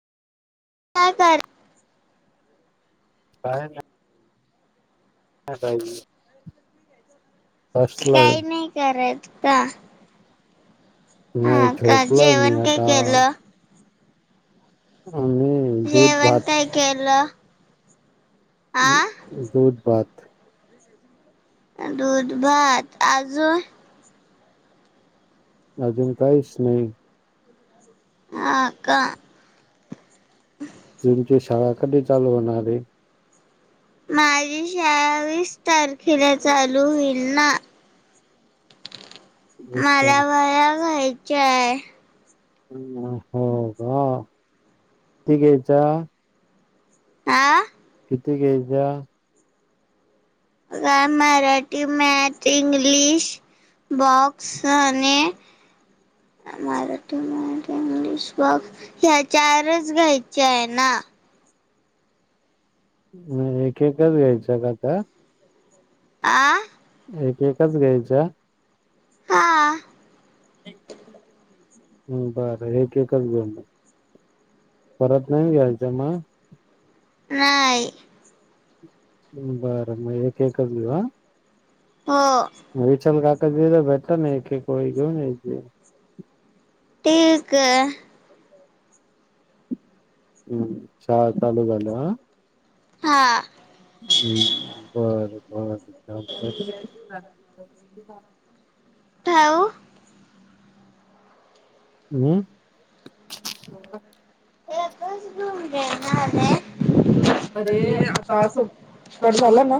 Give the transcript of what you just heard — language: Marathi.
का का? काय ना. ह का? काही नाही करत का? हा नाही का झोपलोय मी जेवण काय आता केलं. आम्ही दूध जेवण भात काय केलं. आ दूध बाात दुध भात आजून अजून काहीच नाही. ह का? तुमची शाळा कधी चालू होणार आहे. माझी शाळा वीस तारखेला चालु होईल ना. वीस मला तारीख वया घ्यायच्या आहे. हो का किती घ्यायच्या आं. किती घ्यायच्या का मराठी, मॅथ, इंग्लिश बॉक्स आणि मराठी, मराठी, इंग्लिश, बॉक्स ह्या चारच घ्यायच्या आहे ना एक एक च घ्यायच्या आता आं एक एकच घ्यायच्या हां. हम् बरं एक एकच घेऊन म परत नाही घ्यायच्या मग नाय बरं म एक एकच घेऊ हा हो म विचल काका तिद भेटलाना एक एक ओळी घेऊन यायची. ठीक ये. हम्म शाळा चालु झाल्यावर हा हां हम्म बरं बरं चालत [unintelligible] [unintelligible] थेवु हम्म [unintelligible] अरे आतां असं कट झालं झाला ना